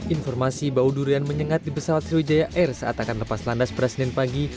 informasi bau durian menyengat di pesawat sriwijaya air saat akan lepas landas pada senin pagi